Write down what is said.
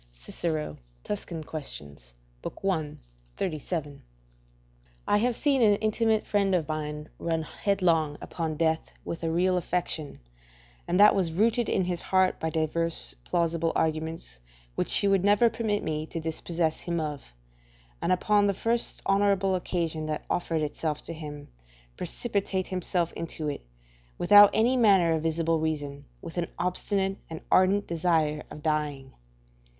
Cicero, Tusc. Quaes., i. 37.] I have seen an intimate friend of mine run headlong upon death with a real affection, and that was rooted in his heart by divers plausible arguments which he would never permit me to dispossess him of, and upon the first honourable occasion that offered itself to him, precipitate himself into it, without any manner of visible reason, with an obstinate and ardent desire of dying.